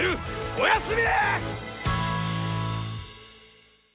おやすみ！